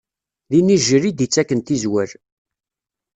D inijjel i d-ittaken tizwal.